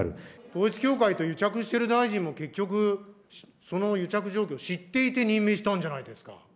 統一教会と癒着している大臣も結局、その癒着状況、知っていて任命したんじゃないですか。